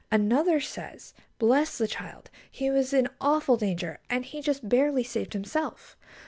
Another says: "Bless the child! He was in awful danger, and he just barely saved himself."